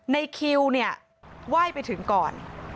ในคิวเนี่ยไหว้ไปถึงก่อน